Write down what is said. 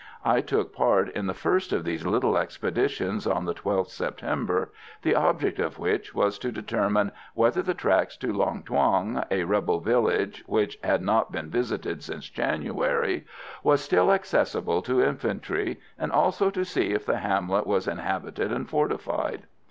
I took part in the first of these little expeditions on the 12th September, the object of which was to determine whether the track to Long Thuong, a rebel village which had not been visited since January, was still accessible to infantry, and also to see if the hamlet was inhabited and fortified.